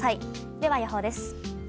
では予報です。